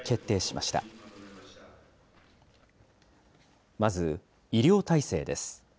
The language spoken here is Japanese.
まず、医療体制です。